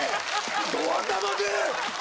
ど頭で。